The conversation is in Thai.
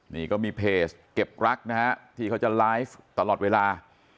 นี่ก็มีเพจเก็บรักนะฮะที่เขาจะไลฟ์ตลอดเวลา